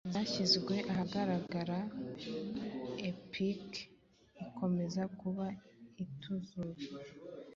zashyizwe ahagaragaraepic ikomeza kuba ituzuye